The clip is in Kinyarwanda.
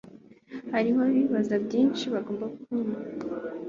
Hariho ibibazo byinshi bagomba gukemura